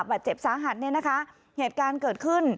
บาดเจ็บสาหัสเนี่ยนะคะเหตุการณ์เกิดขึ้น